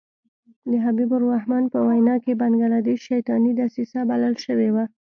د حبیب الرحمن په وینا کې بنګله دېش شیطاني دسیسه بلل شوې وه.